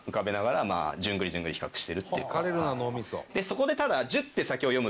でそこでただ。